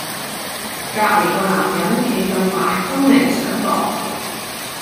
隔離嗰男人企咁埋分明想博懵